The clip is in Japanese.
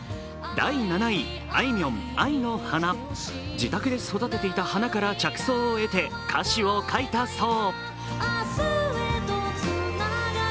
自宅で育てていた花から着想を得て、歌詞を書いたそう。